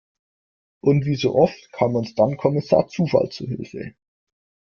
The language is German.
Und wie so oft kam uns dann Kommissar Zufall zu Hilfe.